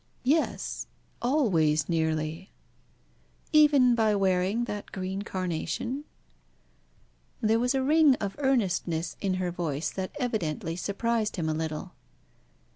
"Yes, always nearly." "Even by wearing that green carnation?" There was a ring of earnestness in her voice that evidently surprised him a little.